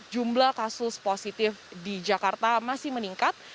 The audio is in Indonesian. jumlah kasus positif di jakarta masih meningkat